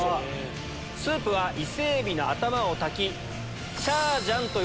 スープは伊勢海老の頭を炊き。